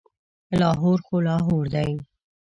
لاهور خو لاهور دی.